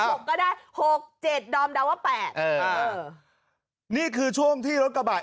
หกก็ได้หกเจ็ดดอมเดาว่าแปดเออเออนี่คือช่วงที่รถกระบะ